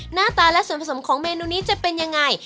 หน้าตาและส่วนผสมของเมนูนี้จะเป็นยังไง